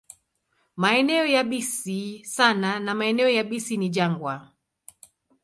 Maeneo yabisi sana na maeneo yabisi ni jangwa.